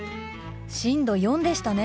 震度４でしたね。